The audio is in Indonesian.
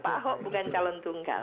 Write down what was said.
pak ahok bukan calon tunggal